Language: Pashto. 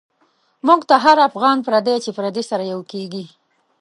موږ ته هر افغان پردی، چی پردی سره یو کیږی